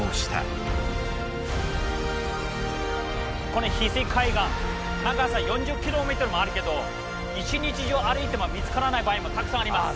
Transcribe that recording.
このヒスイ海岸長さ４０キロメートルもあるけど一日中歩いても見つからない場合もたくさんあります。